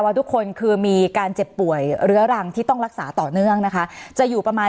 สนับสนุนโดยพี่โพเพี่ยวสะอาดใสไร้คราบ